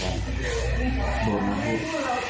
ไม่ถูกใช่ถูกเขาติ้งเลย